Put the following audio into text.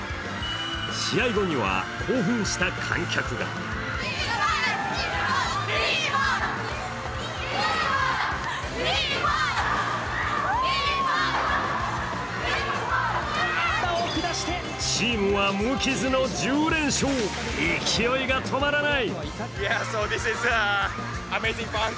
試合後には興奮した観客がチームは無傷の１０連勝、勢いが止まらない！